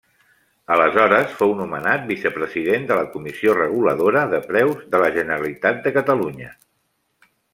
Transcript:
Aleshores fou nomenat vicepresident de la Comissió Reguladora de Preus de la Generalitat de Catalunya.